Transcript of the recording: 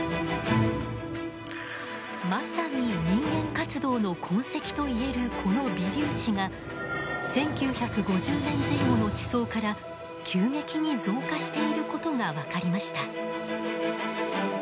まさに人間活動の痕跡と言えるこの微粒子が１９５０年前後の地層から急激に増加していることが分かりました。